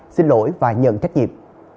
xin lỗi và nhận trách nhiệm